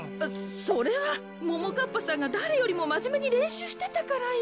それはももかっぱさんがだれよりもまじめにれんしゅうしてたからよ。